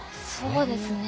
そうですね。